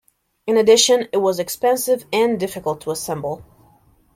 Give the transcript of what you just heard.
In addition, it was expensive and difficult to assemble.